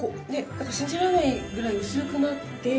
なんか信じられないぐらい薄くなって。